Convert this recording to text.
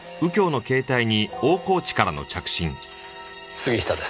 杉下です。